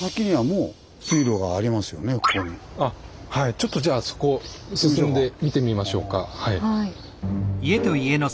ちょっとじゃあそこを進んで見てみましょうか。